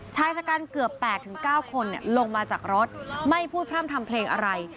ชายชะกันเกือบ๘๙คนลงมาจากรถไม่พูดพร่ำทำเพลงอะไร